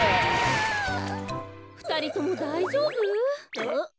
ふたりともだいじょうぶ？